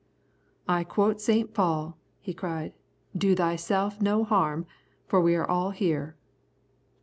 "I quote Saint Paul," he cried. "Do thyself no harm, for we are all here."